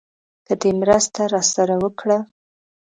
که دې مرسته راسره وکړه.